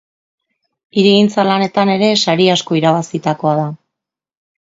Hirigintza lanetan ere sari asko irabazitakoa da.